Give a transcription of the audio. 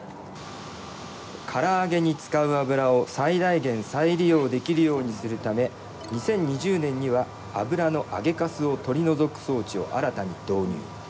からあげに使う油を最大限再利用できるようにするため２０２０年には油の揚げカスを取り除く装置を新たに導入。